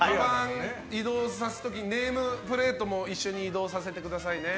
移動させる時にネームプレートも一緒に移動させてくださいね。